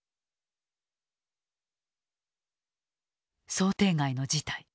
想定外の事態。